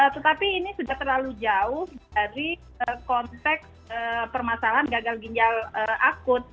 tetapi ini sudah terlalu jauh dari konteks permasalahan gagal ginjal akut